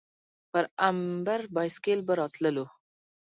پر امبر بایسکل به راتللو.